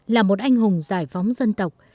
là một anh hùng giải phóng dân tộc